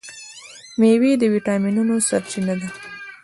میوې د ویټامینونو سرچینه ده.